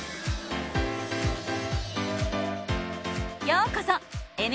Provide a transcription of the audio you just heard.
ようこそ！